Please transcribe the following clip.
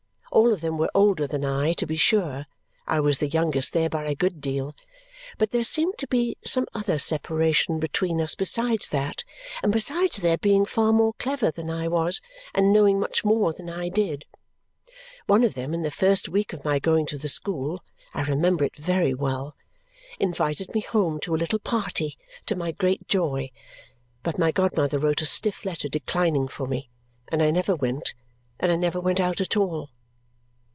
All of them were older than I, to be sure (I was the youngest there by a good deal), but there seemed to be some other separation between us besides that, and besides their being far more clever than I was and knowing much more than I did. One of them in the first week of my going to the school (I remember it very well) invited me home to a little party, to my great joy. But my godmother wrote a stiff letter declining for me, and I never went. I never went out at all.